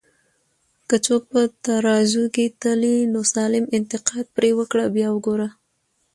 که څوک په ترازو کي تلې، نو سالم انتقاد پرې وکړه بیا وګوره